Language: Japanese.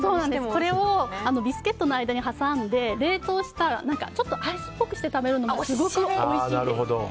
これをビスケットの間に挟んで冷凍してちょっとアイスっぽくして食べるのもすごくおいしいんです。